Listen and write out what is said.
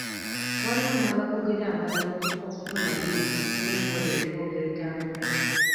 Waliwo n’abakugira abalala okufuna liizi ng’enkola eriwo bw’etambula.